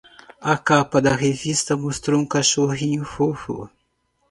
A capa da revista mostrou um cachorrinho fofo.